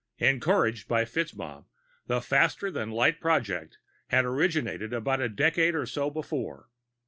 Encouraged by FitzMaugham, the faster than light project had originated about a decade or so before.